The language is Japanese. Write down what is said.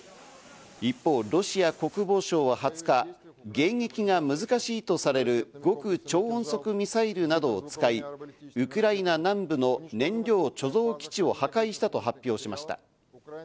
一方、ロシア国防省は２０日、迎撃が難しいとされる、極超音速ミサイルなどを使い、ウクライナ南部の燃料貯蔵基地を破壊したと発表しました。